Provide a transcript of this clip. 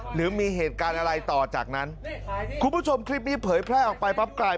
หรือมีเหตุการณ์อะไรต่อจากนั้นคุณผู้ชมคลิปนี้เผยแพร่ออกไปปั๊บกลาย